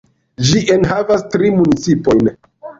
Ĝi enhavas tri municipojn.